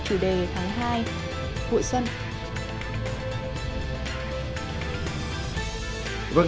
chủ đề tháng hai hội xuân